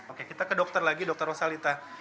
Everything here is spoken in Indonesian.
oke kita ke dokter lagi dokter rosalita